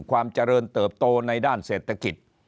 ความเจริญเติบโตในด้านเศรษฐกิจ